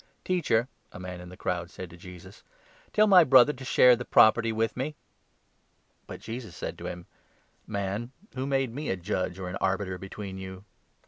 instances " Teacher," a man in the crowd said to Jesus, or " tell my brother to share the property with me." covetousness. 3ut Jesus said to him :" Man, who made me a judge or an arbiter between you